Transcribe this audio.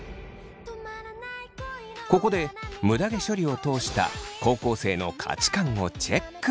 ここでむだ毛処理を通した高校生の価値観をチェック。